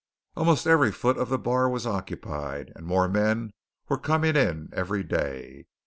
Almost every foot of the bar was occupied, and more men were coming in every day.